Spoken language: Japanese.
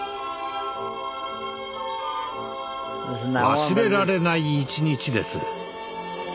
忘れられない一日です。